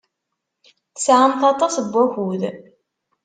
Tesɛamt aṭas n wakud.